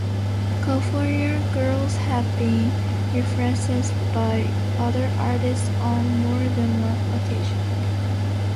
"California Girls" has been referenced by other artists on more than one occasion.